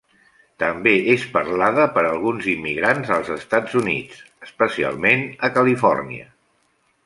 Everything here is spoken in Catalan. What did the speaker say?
També és parlada per alguns immigrants als Estats Units, especialment a Califòrnia.